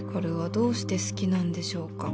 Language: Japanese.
「どうして好きなんでしょうか」